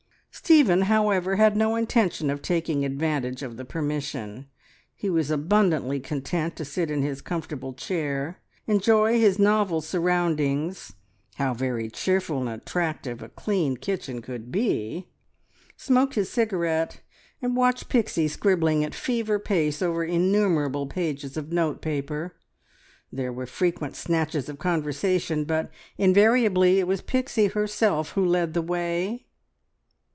Stephen, however, had no intention of taking advantage of the permission. He was abundantly content to sit in his comfortable chair, enjoy his novel surroundings (how very cheerful and attractive a clean kitchen could be!) smoke his cigarette, and watch Pixie scribbling at fever pace over innumerable pages of notepaper. There were frequent snatches of conversation, but invariably it was Pixie herself who led the way.